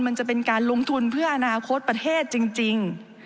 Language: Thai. มันจะเป็นการลงทุนเพื่ออนาคตประเทศจริง